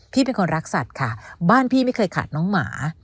เป็นคนรักสัตว์ค่ะบ้านพี่ไม่เคยขาดน้องหมา